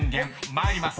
参ります。